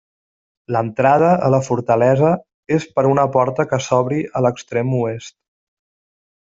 L'entrada a la fortalesa és per una porta que s'obri a l'extrem oest.